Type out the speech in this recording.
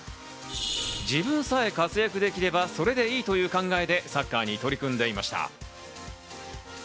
自分さえ活躍できればそれでいいという考えでサッカーに取り組んでいました。